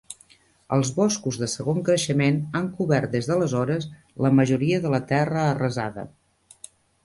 Els boscos de segon creixement han cobert des d'aleshores la majoria de la terra arrasada.